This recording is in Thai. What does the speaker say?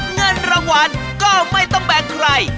เงินรางวัลก็ไม่ต้องแบ่งใคร